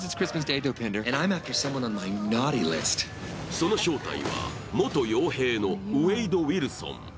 その正体は、元よう兵のウェイド・ウィルソン。